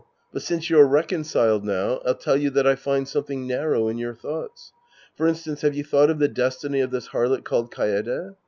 But since you're reconciled now, I'll tell you that I find something narrow in your thoughts. For instance, have you thought of the destiny of this harlot called Kaede